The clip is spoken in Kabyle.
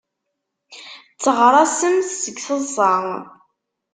Tteɣraṣemt seg teḍsa.